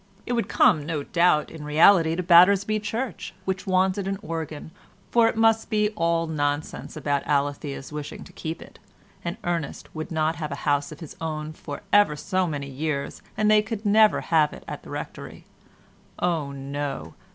It would come, no doubt, in reality to Battersby Church, which wanted an organ, for it must be all nonsense about Alethea's wishing to keep it, and Ernest would not have a house of his own for ever so many years, and they could never have it at the Rectory. Oh, no!